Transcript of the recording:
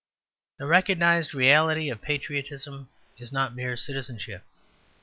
The recognized reality of patriotism is not mere citizenship.